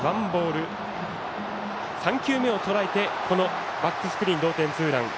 ３球目をとらえてバックスクリーン、同点ツーラン。